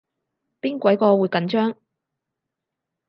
邊鬼個會緊張